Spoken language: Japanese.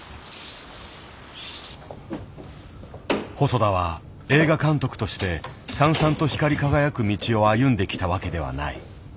細田は映画監督として燦々と光り輝く道を歩んできたわけではない。